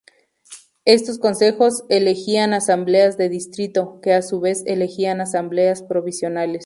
Estos consejos elegían asambleas de distrito, que a su vez elegían asambleas provinciales